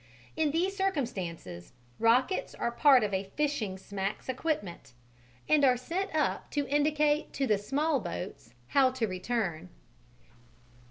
In these circumstances, rockets are part of a fishing smack's equipment, and are sent up to indicate to the small boats how to return.